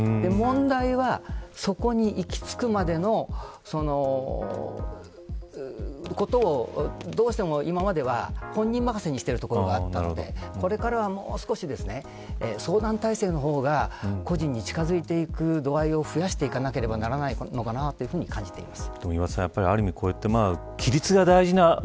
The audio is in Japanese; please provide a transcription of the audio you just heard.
問題はそこに行き着くまでのことを、どうしても今までは本人任せにしているところがあったのでこれからはもう少し相談体制の方が個人に近づいていく度合いを増やしていかなければいけないのかなと感じています。